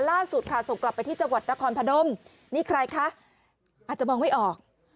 ล่าสุดค่ะส่งกลับไปที่จังหวัดนครพนมนี่ใครคะอาจจะมองไม่ออก